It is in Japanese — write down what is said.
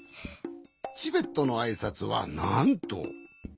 チベットのあいさつはなんと。